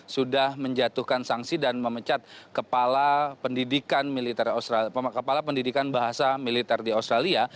sudah menjatuhkan sanksi dan memecat kepala pendidikan bahasa militer di australia